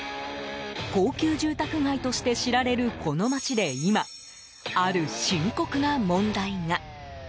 高級住宅街として知られるこの街で今、ある深刻な問題が。